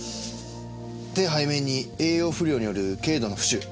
手背面に栄養不良による軽度の浮腫。